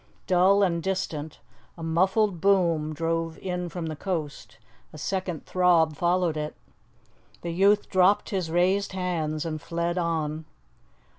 Dull and distant, a muffled boom drove in from the coast. A second throb followed it. The youth dropped his raised hands and fled on.